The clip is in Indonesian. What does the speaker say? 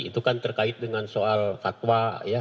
itu kan terkait dengan soal fatwa ya